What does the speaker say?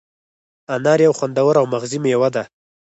انار یو خوندور او مغذي مېوه ده.